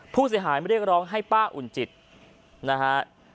ผู้เสียหายมาเรียกร้องให้ป้าอุ่นจิตนะฮะ